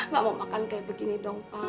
gak mau makan kayak begini dong pa